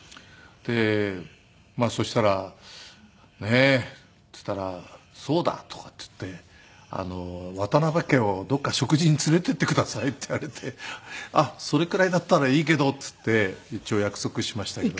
そしたら「ねえ」って言ったら「そうだ」とかって言って「渡辺家をどこか食事に連れて行ってください」って言われて「それくらいだったらいいけど」って言って一応約束しましたけど。